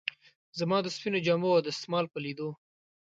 زما د سپینو جامو او دستمال په لیدو.